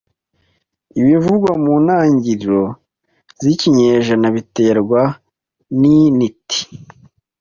Ibivugwa mu ntangiriro zikinyejana biterwa nintiti